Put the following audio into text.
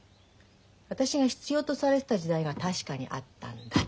私が必要とされてた時代が確かにあったんだ。